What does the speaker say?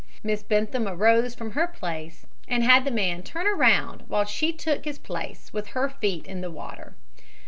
Miss Bentham arose from her place and had the man turn around while she took her place with her feet in the water.